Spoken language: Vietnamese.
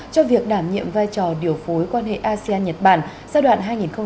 cho việc đảm nhiệm vai trò điều phối quan hệ asean nhật bản giai đoạn hai nghìn một mươi sáu hai nghìn hai mươi